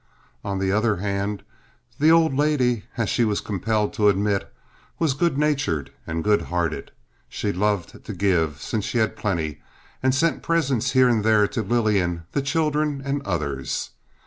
On the other hand the old lady, as she was compelled to admit, was good natured and good hearted. She loved to give, since she had plenty, and sent presents here and there to Lillian, the children, and others.